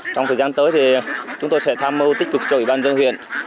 trong thời gian tới thì chúng tôi sẽ tham mưu tích cực cho ủy ban dân huyện